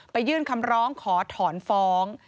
ยื่นคำร้องขอถอนฟ้อง